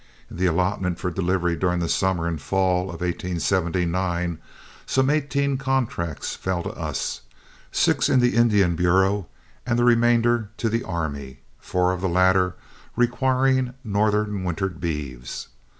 In the allotment for delivery during the summer and fall of 1879, some eighteen contracts fell to us, six in the Indian Bureau and the remainder to the Army, four of the latter requiring northern wintered beeves.